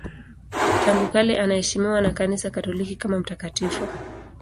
Tangu kale anaheshimiwa na Kanisa Katoliki kama mtakatifu.